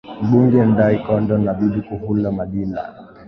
mbunge ndai kondo na bibi kuhula madila